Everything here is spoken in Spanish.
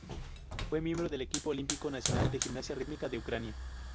Fue miembro del equipo Olímpico nacional de gimnasia rítmica de Ucrania.